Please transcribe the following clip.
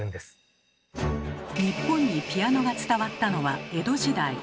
日本にピアノが伝わったのは江戸時代。